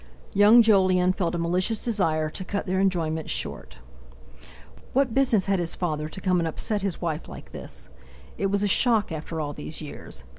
Young Jolyon felt a malicious desire to cut their enjoyment short. What business had his father to come and upset his wife like this? It was a shock, after all these years!